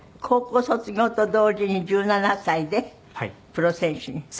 高校卒業と同時に１７歳でプロ選手に。